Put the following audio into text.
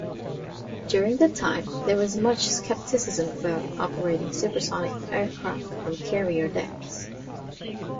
During the time, there was much skepticism about operating supersonic aircraft from carrier decks.